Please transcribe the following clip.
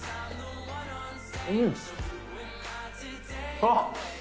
うん！あっ！